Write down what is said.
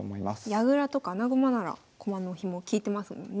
矢倉とか穴熊なら駒のヒモ利いてますもんね。